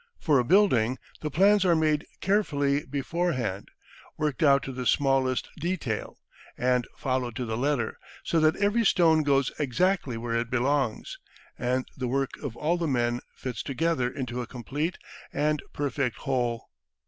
For a building, the plans are made carefully beforehand, worked out to the smallest detail, and followed to the letter, so that every stone goes exactly where it belongs, and the work of all the men fits together into a complete and perfect whole.